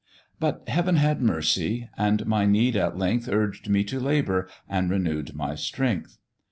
But Heav'n had mercy, and my need at length Urged me to labour, and renew'd my strength.